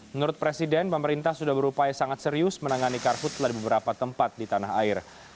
menurut presiden pemerintah sudah berupaya sangat serius menangani karhutlah di beberapa tempat di tanah air